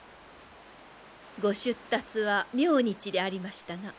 ご出立は明日でありましたな？